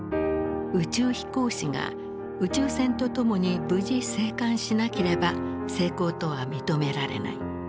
宇宙飛行士が宇宙船と共に無事生還しなければ成功とは認められない。